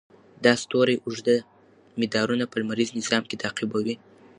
دا ستوري اوږده مدارونه په لمریز نظام کې تعقیبوي.